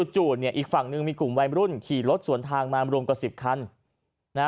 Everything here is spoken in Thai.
อีกฝั่งหนึ่งมีกลุ่มวัยรุ่นขี่รถสวนทางมารวมกว่า๑๐คัน